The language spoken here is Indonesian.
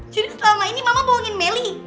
jadi setelah ini mama bohongin meli